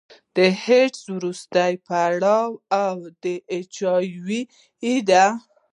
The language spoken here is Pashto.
د ایډز وروستی پړاو د اچ آی وي دی.